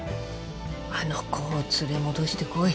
あの子を連れ戻してこい。